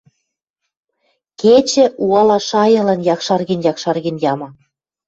Кечӹ уала шайылан якшарген-якшарген ямы.